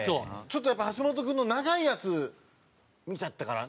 ちょっとやっぱ橋本君の長いやつ見ちゃったから。